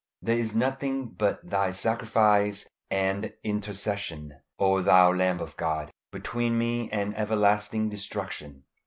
There is nothing but Thy sacrifice and intercession, O Thou Lamb of God, between me and everlasting destruction.